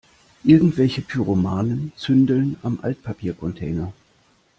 Irgendwelche Pyromanen zündeln am Altpapiercontainer.